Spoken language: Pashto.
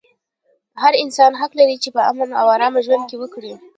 هر انسان حق لري چې په امن او ارام کې ژوند وکړي.